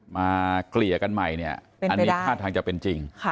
มาเกลี่ยกันใหม่อันนี้คาดทางจะเป็นจริง